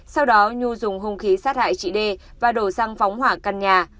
sau đó nhu dùng hung khí sát hại chị đê và đổ xăng phóng hỏa căn nhà